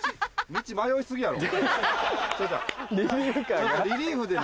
道迷い過ぎだろ！